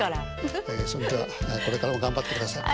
ええそれではこれからも頑張ってください。